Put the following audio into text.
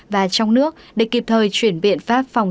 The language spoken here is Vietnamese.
và trong nước để kịp thời chuyển biện pháp phòng